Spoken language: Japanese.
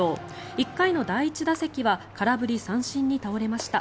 １回の第１打席は空振り三振に倒れました。